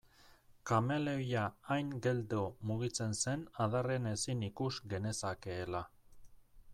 Kameleoia hain geldo mugitzen zen adarrean ezin ikus genezakeela.